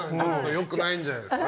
よくないんじゃないですか。